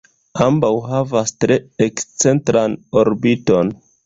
Ambaŭ havas tre ekscentran orbiton.